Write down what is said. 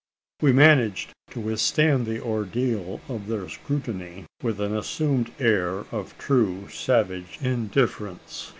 We managed to withstand the ordeal of their scrutiny with an assumed air of true savage indifference.